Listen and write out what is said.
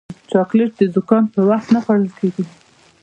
چاکلېټ د زکام پر وخت نه خوړل کېږي.